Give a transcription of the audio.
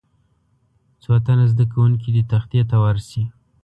څو تنه زده کوونکي دې تختې ته ورشي.